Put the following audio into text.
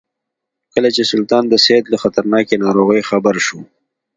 کله چې سلطان د سید له خطرناکې ناروغۍ خبر شو.